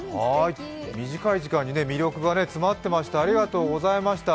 短い時間に魅了が詰まっていました、ありがとうございました。